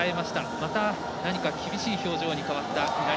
また何か厳しい表情に変わった。